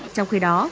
trong khi đó